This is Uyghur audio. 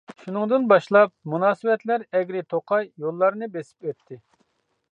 شۇنىڭدىن باشلاپ مۇناسىۋەتلەر ئەگرى-توقاي يوللارنى بېسىپ ئۆتتى.